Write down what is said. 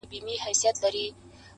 دا د مرګي له چېغو ډکه شپېلۍ،